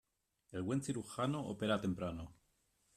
El buen cirujano opera temprano.